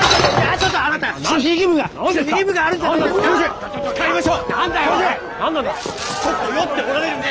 ちょっと酔っておられるんで。